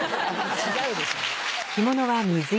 違うでしょ。